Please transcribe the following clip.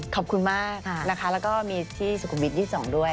ขอบคุณมากนะคะแล้วก็มีที่สุขุมวิท๒๒ด้วย